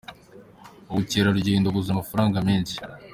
Ubu kerarugendo buzana amafaranga menshi.